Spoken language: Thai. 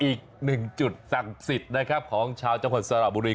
อีกหนึ่งจุดศักดิ์สิทธิ์นะครับของชาวจังหวัดสระบุรี